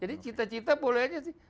jadi cita cita bolehnya sih